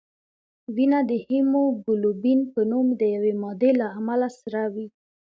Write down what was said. وینه د هیموګلوبین په نوم د یوې مادې له امله سره وي